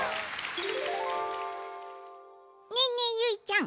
ねえねえゆいちゃん